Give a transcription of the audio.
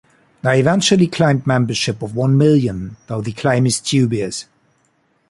They eventually claimed membership of one million, though the claim is dubious.